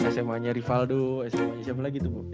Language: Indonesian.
sma nya rivaldo sma nya siapa lagi tuh bu